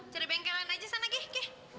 cara bengkelan aja sana gih